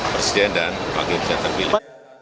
presiden dan wakil presiden terpilih